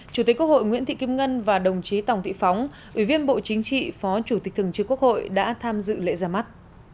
chủ tịch quốc hội nguyễn thị kim ngân và đồng chí tòng thị phóng ủy viên bộ chính trị phó chủ tịch thường trực quốc hội đã tham dự lễ ra mắt